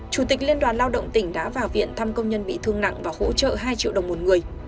chủ tịch liên đoàn lao động tỉnh đã vào viện thăm công nhân bị thương nặng và hỗ trợ hai triệu đồng một người